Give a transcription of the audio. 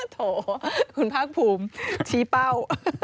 โถคุณภาคภูมิชี้เป้า